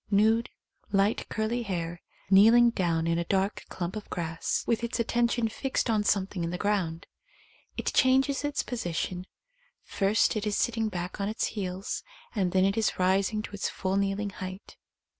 Nude, light curly hair, kneeling down in a 115 THE COMING OF THE FAIRIES dark clump of grass, with its attention fixed on something in the ground. It changes its position ; first it is sitting back on its heels, and then it is rising to its full kneeling height.